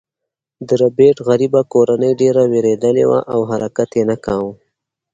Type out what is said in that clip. د ربیټ غریبه کورنۍ ډیره ویریدلې وه او حرکت یې نه کاوه